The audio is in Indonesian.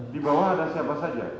di bawah ada siapa saja